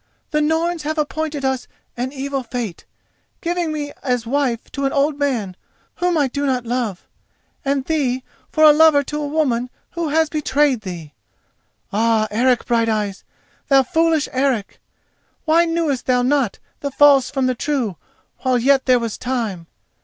"The Norns have appointed us an evil fate, giving me as wife to an old man whom I do not love, and thee for a lover to a woman who has betrayed thee. Ah, Eric Brighteyes, thou foolish Eric! why knewest thou not the false from the true while yet there was time?